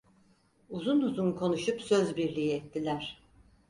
Uzun uzun konuşup sözbirliği ettiler.